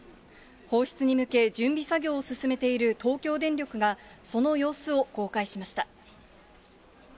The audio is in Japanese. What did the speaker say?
放出に向け、準備作業を進めている東京電力が、その様子を公開しました。